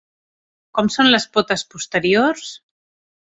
Com són les potes posteriors?